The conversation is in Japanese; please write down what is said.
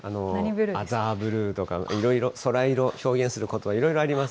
アザーブルーとか、空色表現することばいろいろあります。